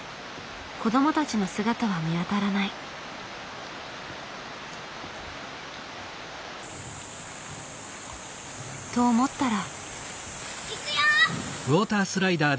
子どもたちの姿は見当たらない。と思ったら。